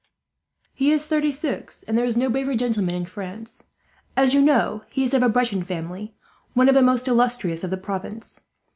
"He is thirty six, and there is no braver gentleman in France. As you know, he is of a Breton family, one of the most illustrious of the province.